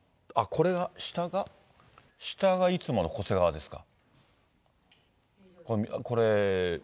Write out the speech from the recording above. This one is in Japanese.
これが、下が、下がいつもの巨瀬川ですか。